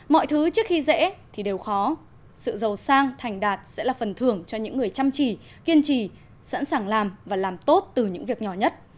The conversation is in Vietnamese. mọi thứ trước khi dễ thì đều khó sự giàu sang thành đạt sẽ là phần thưởng cho những người chăm chỉ kiên trì sẵn sàng làm và làm tốt từ những việc nhỏ nhất